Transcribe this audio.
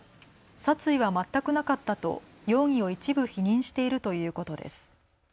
殺意は全くなかったと容疑を一部否認しているということです。